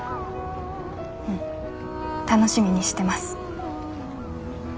うん楽しみにしてます。